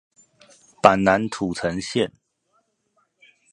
板南土城線